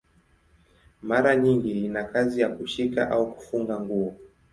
Mara nyingi ina kazi ya kushika au kufunga nguo.